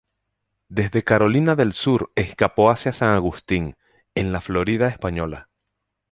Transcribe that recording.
Desde Carolina del Sur escapó hacia San Agustín, en la Florida española.